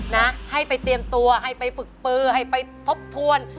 นะให้ไปเตรียมตัวให้ไปฝึกปือให้ไปทบทวน